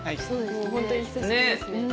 もう本当に久しぶりですね。